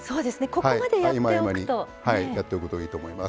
合間合間にやっておくといいと思います。